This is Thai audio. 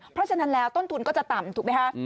เพราะฉะนั้นแล้วต้นทุนก็จะต่ำถูกไหมคะ